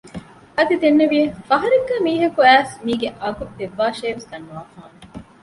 އަދި ދެންނެވިއެވެ ފަހަރެއްގައި މީހަކު އައިސް މީގެ އަގު ދެއްވާށޭ ވެސް ދަންނަވާފާނެ